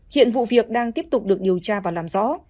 hiện vụ việc đang tiếp tục được điều tra và làm rõ